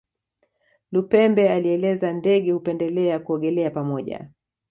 Lupembe alieleza Ndege hupendelea kuogelea pamoja